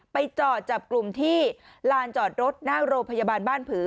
ไปจอดจับกลุ่มที่ลานจอดรถหน้าโรงพยาบาลบ้านผือ